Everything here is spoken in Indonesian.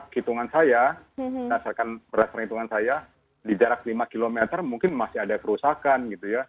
hitungan saya berdasarkan hitungan saya di jarak lima kilometer mungkin masih ada kerusakan